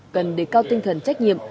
cần đề cao tinh thần trách nhiệm